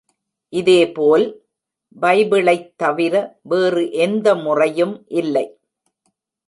இதேபோல், பைபிளைத் தவிர வேறு எந்த முறையும் இல்லை.